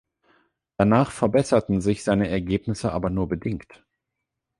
Danach verbesserten sich seine Ergebnisse aber nur bedingt.